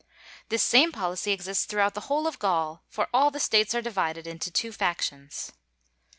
This same policy exists throughout the whole of Gaul; for all the States are divided into two factions.